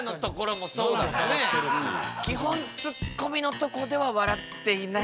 基本ツッコミのとこでは笑っていないという。